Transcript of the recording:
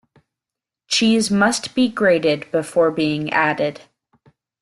Cheese must be grated before being added.